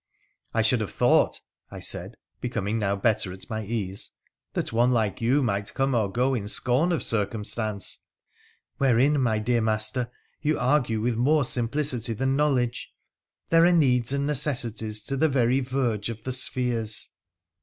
' I should have thought,' I said, becoming now better at my ease, ' that one like you might come or go in scorn of cir cumstance.' ' Wherein, my dear master, you argue with more simplicity than knowledge. There are needs and necessities to the very verge of the spheres.'